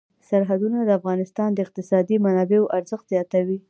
سرحدونه د افغانستان د اقتصادي منابعو ارزښت زیاتوي.